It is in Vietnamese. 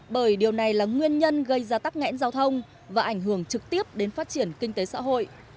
bởi điều này là nguyên nhân gây ra tắc nghẽn giao thông và ảnh hưởng trực tiếp đến phát triển kinh tế xã hội